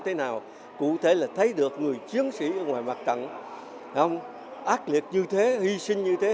thế nào cụ thể là thấy được người chiến sĩ ở ngoài mặt trận không ác liệt như thế hy sinh như thế